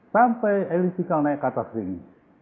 sampai eli spikal naik ke atas ring